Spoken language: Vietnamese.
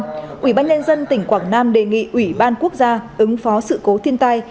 các lực lượng có liên quan ubnd tỉnh quảng nam đề nghị ubnd ứng phó sự cố thiên tai